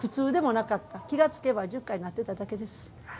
気がつけば１０回になっていただけです。